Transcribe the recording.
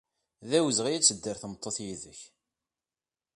D awezɣi ad tedder tmeṭṭut yid-k.